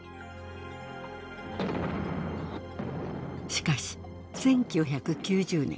しかし１９９０年。